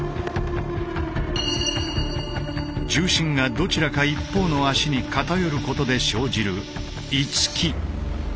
重心がどちらか一方の足に偏ることで生じる「居つき」。